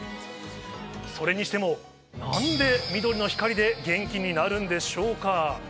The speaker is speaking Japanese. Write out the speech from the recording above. それにしても、なんで緑の光で元気になるんでしょうか。